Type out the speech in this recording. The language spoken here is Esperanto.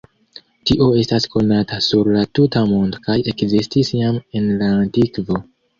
Tio estas konata sur la tuta mondo kaj ekzistis jam en la antikvo.